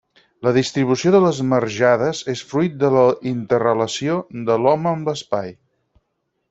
La distribució de les marjades és fruit de la interrelació de l'home amb l'espai.